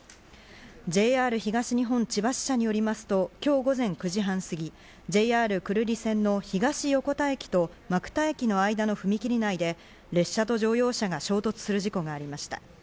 ＪＲ東日本千葉支社によりますと今日午前９時半すぎ、ＪＲ久留里線の東横田駅と馬来田駅の間の踏み切り内で、列車と乗用車が衝突する事故がありました。